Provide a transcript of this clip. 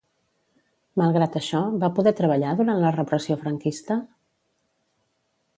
Malgrat això, va poder treballar durant la repressió franquista?